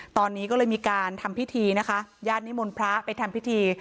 ตอนนี้ก็เลยมีการทำพิธีนะคะญาตินิมนต์พระไปทำพิธี